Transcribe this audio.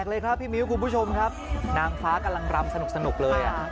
เลยครับพี่มิ้วคุณผู้ชมครับนางฟ้ากำลังรำสนุกเลยอ่ะ